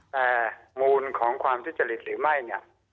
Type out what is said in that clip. แต่มูลของความทุจริตหรือไม่เนี่ย